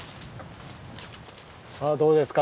さあどうですか？